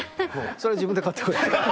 それは自分で買ってくれ。